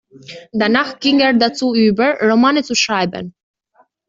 Danach ging er dazu über, Romane zu schreiben.